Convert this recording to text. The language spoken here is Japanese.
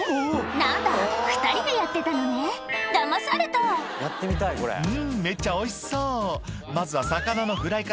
何だ２人でやってたのねダマされた「うんめっちゃおいしそうまずは魚のフライから」